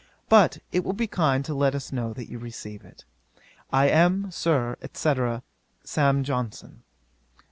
But it will be kind to let us know that you receive it. 'I am, Sir, &c. 'SAM. JOHNSON.'